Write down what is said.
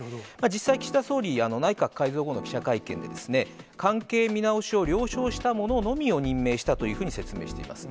実際、岸田総理、内閣改造後の記者会見で、関係見直しを了承した者のみを任命したというふうに説明しています。